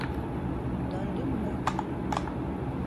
Döndün mü?